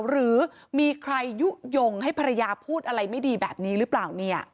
หรือมีใครยุโยงให้ภรรยาพูดอะไรไม่ดีแบบนี้หรือเปล่า